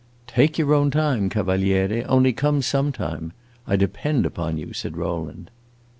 "Take your own time, Cavaliere; only come, sometime. I depend upon you," said Rowland.